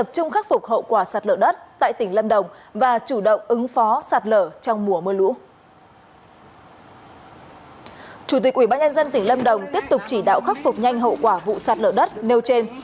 chủ tịch ubnd tỉnh lâm đồng tiếp tục chỉ đạo khắc phục nhanh hậu quả vụ sạt lở đất nêu trên